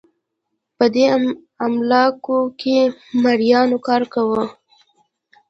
په دې املاکو کې مریانو کار کاوه